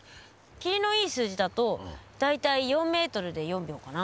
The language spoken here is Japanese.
切りのいい数字だと大体４ｍで４秒かな。